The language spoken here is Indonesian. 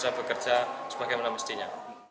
bisa bekerja sebagaimana mestinya